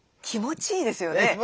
気持ちいいですよね。